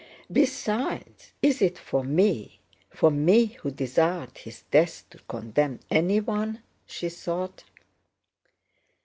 "Besides, is it for me, for me who desired his death, to condemn anyone?" she thought.